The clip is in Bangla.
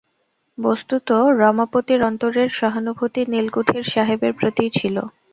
বস্তুত রমাপতির অন্তরের সহানুভূতি নীলকুঠির সাহেবের প্রতিই ছিল।